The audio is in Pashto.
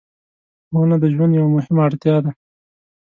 • ونه د ژوند یوه مهمه اړتیا ده.